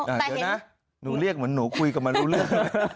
เดี๋ยวนะหนูเรียกเหมือนหนูคุยกับมันรู้เรื่อง